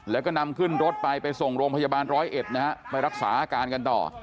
แล้วก็นำขึ้นรถไปไปส่งโรงพยาบาลร้อยเอ็ดนะฮะไปรักษาอาการกันต่อ